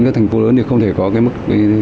các thành phố lớn thì không thể có cái mức